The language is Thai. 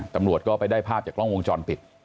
ตำรวจก็ไปได้ภาพจากกล้องวงจรปิด